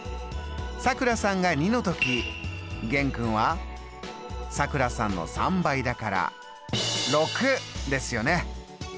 さくらさんが２の時玄君はさくらさんの３倍だから６ですよね。